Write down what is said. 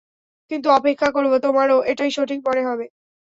কিন্তু অপেক্ষা করবো, তোমারও এটাই সঠিক মনে হবে।